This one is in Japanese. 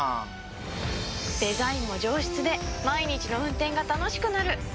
デザインも上質で毎日の運転が楽しくなる！